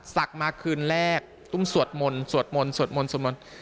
มาคืนแรกต้องสวดมนต์สวดมนต์สวดมนต์สวดมนต์